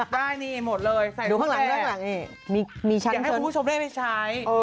ได้นี่หมดเลยอยากให้คุณผู้ชมได้ไม่ใช้